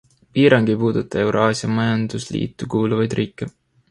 Piirang ei puuduta Euraasia majandusliitu kuuluvaid riike.